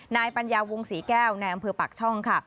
ปัญญาวงศรีแก้วในอำเภอปากช่องค่ะ